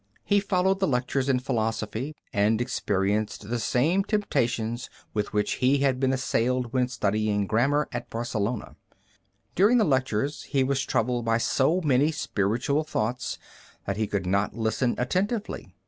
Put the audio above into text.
He followed the lectures in philosophy, and experienced the same temptations with which he had been assailed when studying grammar at Barcelona. During the lectures he was troubled by so many spiritual thoughts that he could not listen attentively.